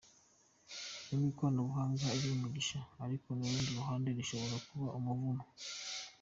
Nubwo ikoranabuhanga ari umugisha ariko ku rundi ruhande rishobora no kuba umuvumo.